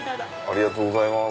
ありがとうございます。